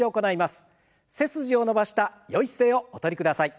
背筋を伸ばしたよい姿勢をお取りください。